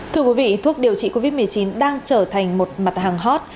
thưa quý vị thuốc điều trị covid một mươi chín đang trở thành một mặt hàng hot